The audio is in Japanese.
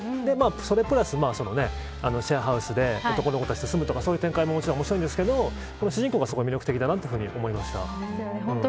それプラス、シェアハウスで男の子たちと住むとかそういう展開もありますがこの主人公はすごい魅力的だと思いました。